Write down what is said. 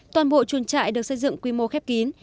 toàn bộ chuồng trại được xây dựng quy mô khép kín